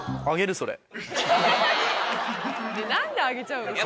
何であげちゃうんですか。